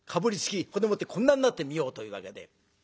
そんでもってこんなんなって見ようというわけで。